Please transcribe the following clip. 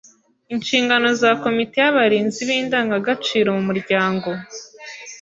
Inshingano za komite y’abarinzi b’indangagaciro mu muryango